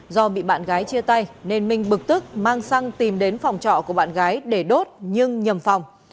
do bị bạn gái chia tay nên minh bực tức mang xăng tìm đến phòng trọ của bạn gái để đốt nhưng nhầm phòng